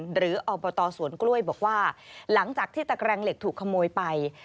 อบตสวนกล้วยบอกว่าหลังจากที่ตะแกรงเหล็กถูกขโมยไป